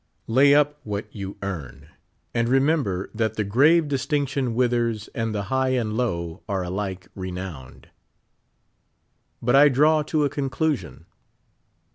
Lay up what 81 you earn. And remember that the grave distinotion withers and the high and low are alike renowned. But I draw to a conclusion.